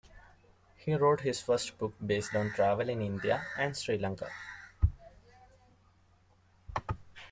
He wrote his first book based on travel in India and Sri Lanka.